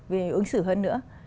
về ứng xử hơn nữa